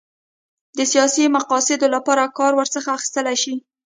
د سیاسي مقاصدو لپاره کار ورڅخه اخیستلای شي.